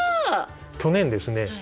去年ですね